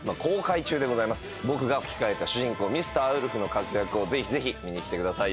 僕が吹き替えた主人公ミスター・ウルフの活躍をぜひぜひ見に来てください。